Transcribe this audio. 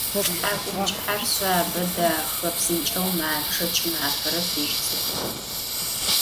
Thak'umç'ıher şsabe, daxe, psınç'eu maççe, ç'ımafere fıj ts'ık'u.